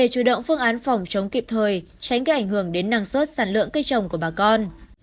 cây trồng của bà con